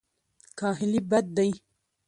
کاهلي بد دی.